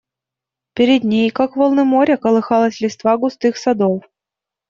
Перед ней, как волны моря, колыхалась листва густых садов.